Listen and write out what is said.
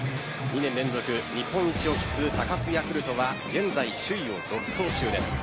２年連続日本一を期す高津ヤクルトは現在、首位を独走中です。